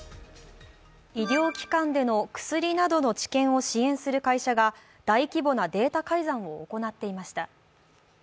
医療機関での薬などの治験を支援する会社に大規模なデータ改ざんを行っていました。